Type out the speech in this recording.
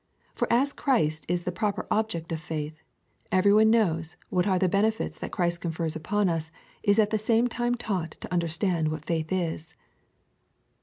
For as Christ is the proper object of faith, every one that knows what are the benefits that Christ con fers upon us is at the same time taught to understand what faith is.